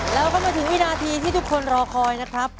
แล้วก็มาถึงวินาทีที่ทุกคนรอคอยนะครับ